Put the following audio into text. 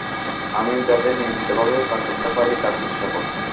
আমিও যাতে নিয়মিতভাবে কাজ করতে পারি, তার চেষ্টা করছি।